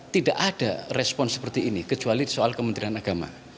tidak ada respon seperti ini kecuali soal kementerian agama